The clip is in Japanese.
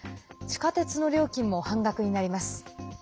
地下鉄の料金も半額になります。